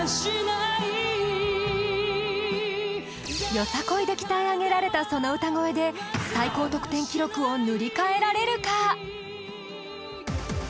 よさこいで鍛え上げられたその歌声で最高得点記録を塗り替えられるか？